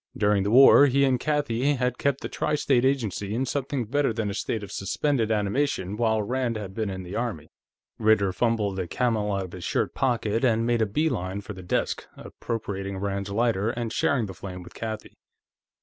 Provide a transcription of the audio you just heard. During the war, he and Kathie had kept the Tri State Agency in something better than a state of suspended animation while Rand had been in the Army. Ritter fumbled a Camel out of his shirt pocket and made a beeline for the desk, appropriating Rand's lighter and sharing the flame with Kathie.